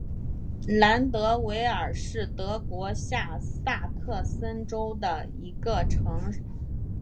兰德韦尔是德国下萨克森州的一个市镇。